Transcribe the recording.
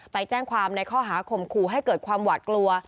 ไปแจ้งความในข้อหาข่มขู่ให้เกิดความหวาดกลัว